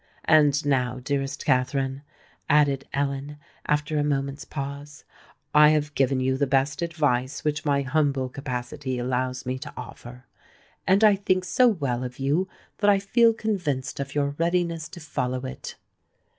"And now, dearest Katherine," added Ellen, after a moment's pause, "I have given you the best advice which my humble capacity allows me to offer; and I think so well of you that I feel convinced of your readiness to follow it."